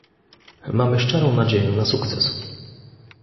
Mamy szczerą nadzieję na sukces